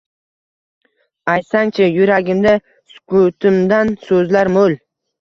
Aytsangchi: – Yuragimda sukutimdan so‘zlar mo‘l